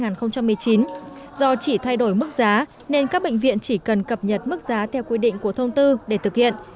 do chỉ thay đổi mức giá nên các bệnh viện chỉ cần cập nhật mức giá theo quy định của thông tư để thực hiện